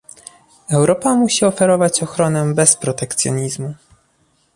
Europa musi oferować ochronę bez protekcjonizmu